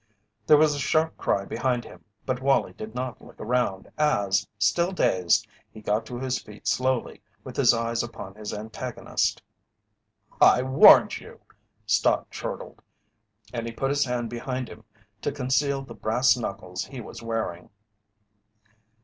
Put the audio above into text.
There was a sharp cry behind him, but Wallie did not look around as, still dazed, he got to his feet slowly, with his eyes upon his antagonist. "I warned you!" Stott chortled, and he put his hand behind him to conceal the brass knuckles he was wearing.